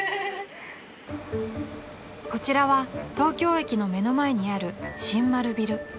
［こちらは東京駅の目の前にある新丸ビル］